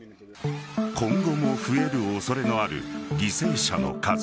今後も増える恐れのある犠牲者の数。